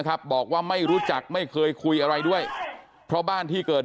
ครับบอกว่าไม่รู้จักไม่เคยคุยอะไรด้วยเพราะบ้านที่เกิด